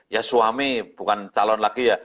ya suami bukan calon lagi ya